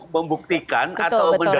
membuktikan atau mendalilkan